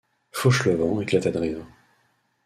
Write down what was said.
Fauchelevent éclata de rire.